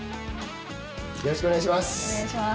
よろしくお願いします。